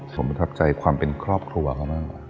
ผมรับใจความเป็นครอบครัวก็มาก